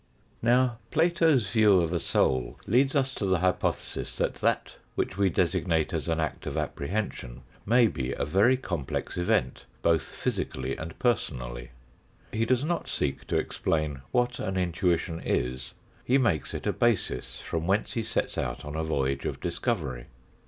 Now, Plato's view of a soul leads us to the hypothesis that that which we designate as an act of apprehension may be a very complex event, both physically and per sonally. He does not seek to explain what an intuition is; he makes it a basis from whence he sets out on a voyage of discovery.